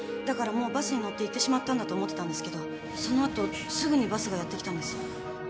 だからもうバスに乗っていってしまったんだと思ってたんですけどその後すぐにバスがやって来たんです。